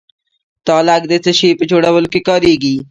تالک د څه شي په جوړولو کې کاریږي؟